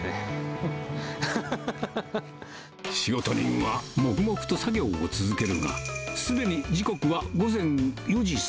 仕事人は黙々と作業を続けるが、すでに時刻は午前４時３０分。